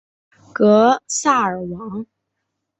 格萨尔王